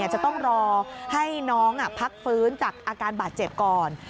จะต้องรอให้น้องพักฟื้นจากอาการบาดเจ็บก่อน